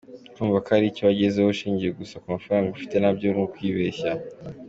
Kumva ko hari icyo wagezeho ushingiye gusa ku mafaranga ufite nabyo ni ukwibeshya.